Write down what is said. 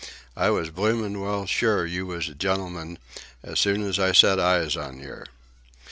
I was bloomin' well sure you was a gentleman as soon as I set eyes on yer."